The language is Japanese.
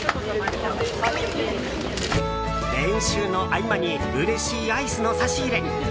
練習の合間にうれしいアイスの差し入れ。